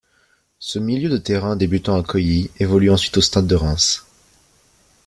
Ce milieu de terrain débutant à Coeuilly, évolue ensuite au Stade de Reims.